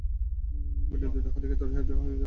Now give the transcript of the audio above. বিনোদিত হতে গিয়ে তড়িতাহত হয়ে যাবেন নইলে।